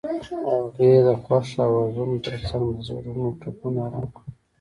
هغې د خوښ اوازونو ترڅنګ د زړونو ټپونه آرام کړل.